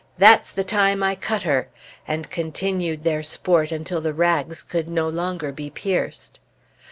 that's the time I cut her!" and continued their sport until the rags could no longer be pierced.